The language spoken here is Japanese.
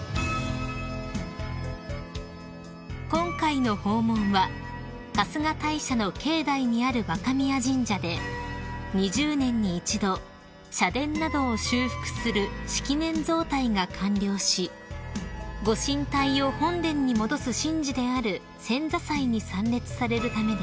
［今回の訪問は春日大社の境内にある若宮神社で２０年に一度社殿などを修復する式年造替が完了しご神体を本殿に戻す神事である遷座祭に参列されるためです］